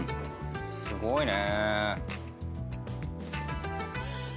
すごいね。